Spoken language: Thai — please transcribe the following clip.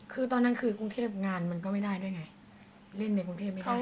คือตอนนั้นคือกรุงเทพงานมันก็ไม่ได้ด้วยไงเล่นในกรุงเทพไม่ได้